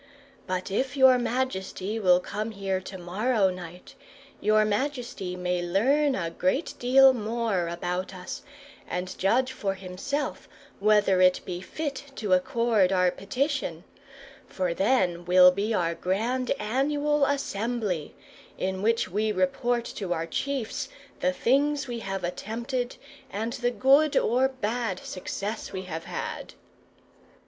But if your majesty will come here to morrow night, your majesty may learn a great deal more about us, and judge for himself whether it be fit to accord our petition; for then will be our grand annual assembly, in which we report to our chiefs the things we have attempted, and the good or bad success we have had."